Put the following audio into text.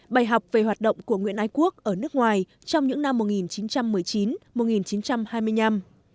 bài học về hoạt động của nguyễn ái quốc ở nước ngoài trong những năm một nghìn chín trăm một mươi chín một nghìn chín trăm hai mươi năm